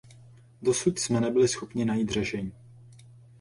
Dosud jsme nebyli schopni najít řešení.